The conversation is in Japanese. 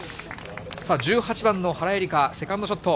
さあ、１８番の原英莉花、セカンドショット。